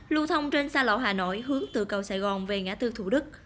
lưu thông trên xa lộ hà nội hướng từ cầu sài gòn về ngã tư thủ đức